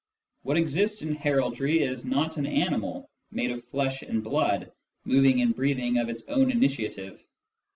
What exists in heraldry is not an animal, made of flesh and blood, moving and breathing of its own initiative.